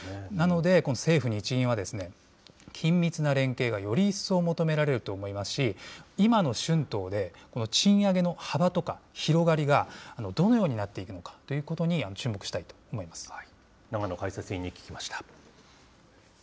なので、政府・日銀は、緊密な連携がより一層求められると思いますし、今の春闘で、賃上げの幅とか広がりがどのようになっていくのかということに注目したいと思います。